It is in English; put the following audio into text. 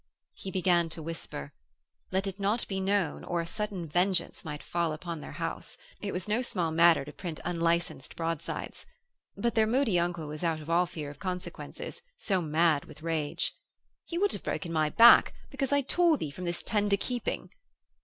He began to whisper: Let it not be known or a sudden vengeance might fall upon their house. It was no small matter to print unlicensed broadsides. But their moody uncle was out of all fear of consequences, so mad with rage. 'He would have broken my back, because I tore thee from his tender keeping.'